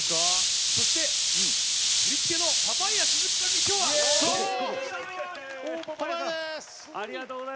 そして振り付けのパパイヤ鈴木さんにも今日はパパイヤです。